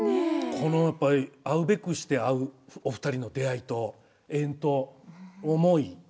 このやっぱり会うべくして会うお二人の出会いと縁と思い。